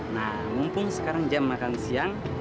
nah mumpung sekarang jam makan siang